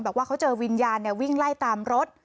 บอกว่าเขาเจอวิญญาณวิ่งไล่ตามรถ